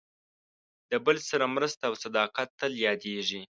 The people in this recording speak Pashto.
د بل سره مرسته او صداقت تل یادېږي.